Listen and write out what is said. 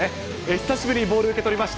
久しぶりにボールを受け取りました。